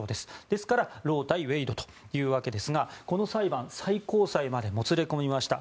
ですから、ロー対ウェイドというわけですがこの裁判、最高裁までもつれ込みました。